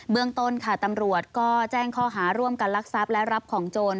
เรื่องต้นค่ะตำรวจก็แจ้งข้อหาร่วมกันลักทรัพย์และรับของโจร